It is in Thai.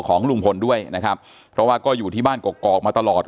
ของลุงพลด้วยนะครับเพราะว่าก็อยู่ที่บ้านกอกมาตลอด